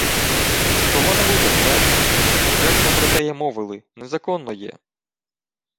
— Того не буде, княже. Вже смо про теє мовили. Незаконно є.